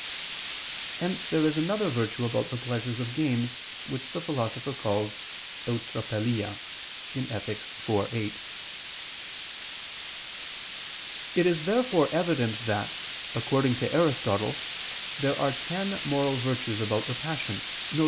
Hence there is another virtue about the pleasures of games, which the Philosopher calls eutrapelia (Ethic. iv, 8). It is therefore evident that, according to Aristotle, there are ten moral virtues about the passions, viz.